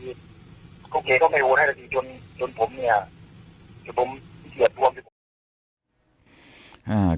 ก็เขียงเข้าไปโอนให้จนผมเนี่ย